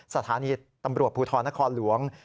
สถานีตำรวจภูทรนครหลวง